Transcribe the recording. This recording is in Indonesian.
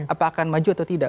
apa akan maju atau tidak